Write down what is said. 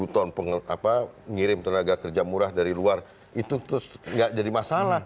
lima ratus ton pengiriman tenaga kerja murah dari luar itu terus nggak jadi masalah